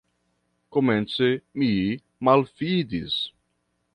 Komence mi malfidis.